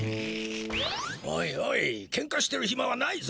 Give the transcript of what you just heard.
おいおいケンカしてるヒマはないぞ。